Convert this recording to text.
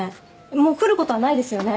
もう来ることはないですよね？